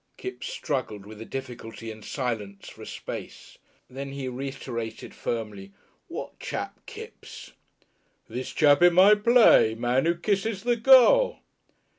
Kipps struggled with a difficulty in silence for a space. Then he reiterated firmly, "What chap Kipps?" "This chap in my play man who kisses the girl."